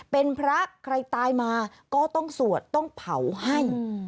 เป็นพระใครตายมาก็ต้องสวดต้องเผาให้